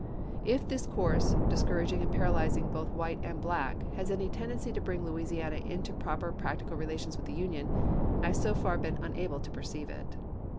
If this course, discouraging and paralyzing both white and black, has any tendency to bring Louisiana into proper practical relations with the Union, I have so far been unable to perceive it.